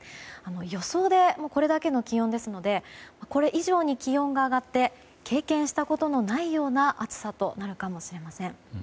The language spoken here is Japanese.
予想でこれだけの気温ですのでこれ以上に気温が上がって経験したことのないような暑さとなるかもしれません。